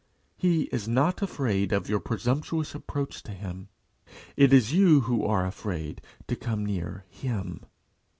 He is not afraid of your presumptuous approach to him. It is you who are afraid to come near him.